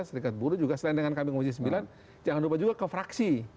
serikat buruh juga selain dengan kami komisi sembilan jangan lupa juga ke fraksi